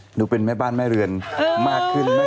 หนูเป็นแม่บ้านแม่เรือนมากขึ้น